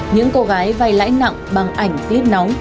những cô gái vay lãi nặng bằng ảnh clip nóng